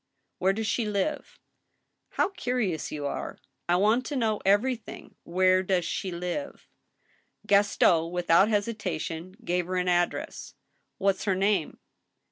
"Where does she live?" " How curious you are !"" I want to know everything. Where does she live ?" Gaston, without hesitation, gave her an address. "What's her name?"